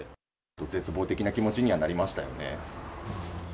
絶望的な気持ちにはなりましたよね。